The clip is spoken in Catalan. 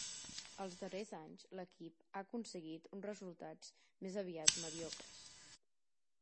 Els darrers anys, l'equip ha aconseguit uns resultats més aviat mediocres.